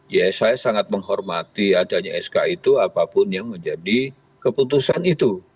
ya saya sangat menghormati adanya sk itu apapun yang menjadi keputusan itu